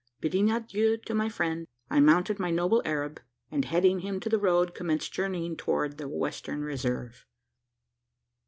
Bidding adieu to my friend, I mounted my noble Arab; and, heading him to the road, commenced journeying towards the Western Reserve.